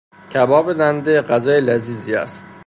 کباب دنده غذای لذیذی است.